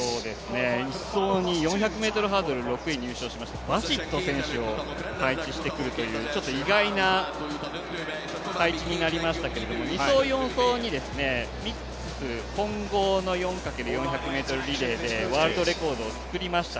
１走に４００ｍハードル６位入賞のバシット選手を配置してくるという意外ですけど２走、４走に混合４×４００ｍリレーでワールドレコードを作りました